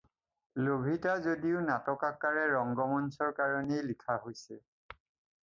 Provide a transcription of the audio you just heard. লভিতা যদিও নাটকাকাৰে ৰঙ্গমঞ্চৰ কাৰণেই লিখা হৈছে